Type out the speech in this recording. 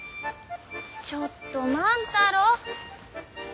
ちょっと万太郎。